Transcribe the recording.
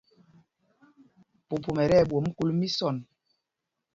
Pupum ɛ tí ɛɓwôm kúl mísɔn.